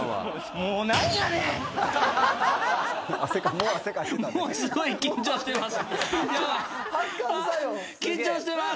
もうすごい緊張してます。